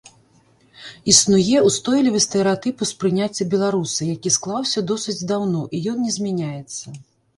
Існуе ўстойлівы стэрэатып успрыняцця беларуса, які склаўся досыць даўно, і ён не змяняецца.